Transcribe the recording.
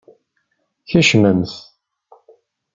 Kecmemt!